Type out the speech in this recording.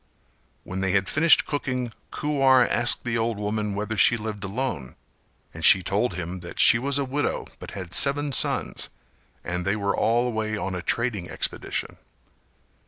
When they had finished cooking Kuwar asked the old woman whether she lived alone and she told him that she was a widow but had seven sons and they were all away on a trading expedition.